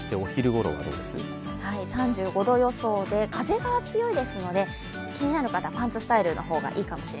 ３５度予想で風が強いですので、気になる方パンツスタイルの方がいいです。